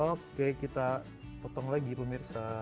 oke kita potong lagi pemirsa